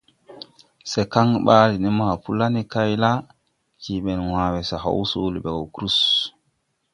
Se kaŋ ɓaale ne mapo la ne kay la, jee ɓɛn wãã we, se haw soole ɓe gɔ krus.